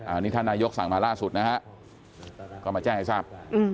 อันนี้ท่านนายกสั่งมาล่าสุดนะฮะก็มาแจ้งให้ทราบ